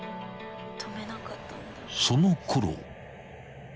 ［そのころ］